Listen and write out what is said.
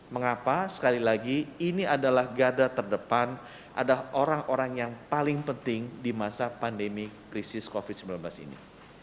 mengapa sekali lagi ini adalah gada terdepan adalah orang orang yang paling penting di masa pandemi krisis covid sembilan belas ini